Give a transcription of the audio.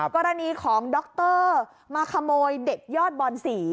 กรณีของดรมาขโมยเด็กยอดบอนศรี